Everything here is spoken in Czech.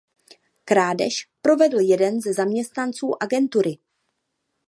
Krádež provedl jeden ze zaměstnanců agentury.